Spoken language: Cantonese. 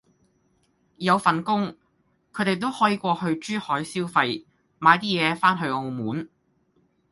有份工，佢哋都可以過去珠海消費買啲嘢返去澳門